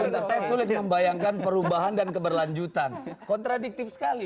sebentar saya sulit membayangkan perubahan dan keberlanjutan kontradiktif sekali